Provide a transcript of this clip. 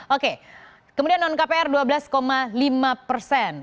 oke kemudian non kpr dua belas lima persen